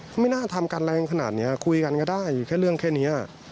ไม่น่าทำกันแรงขนาดนี้คุยกันก็ได้แค่เรื่องแค่นี้